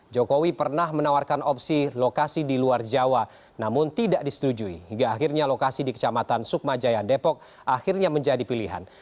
jokowi pernah menawarkan opsi lokasi di luar jawa namun tidak disetujui hingga akhirnya lokasi di kecamatan sukmajaya depok akhirnya menjadi pilihan